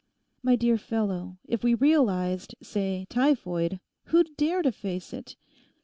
My dear fellow, if we realised, say, typhoid, who'd dare to face it?